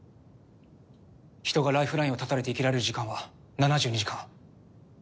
人がライフラインを絶たれて生きられる時間は７２時間。